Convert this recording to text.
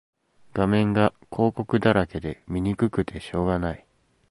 画面が広告だらけで見にくくてしょうがない